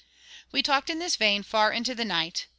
We talked in this vein far into the night.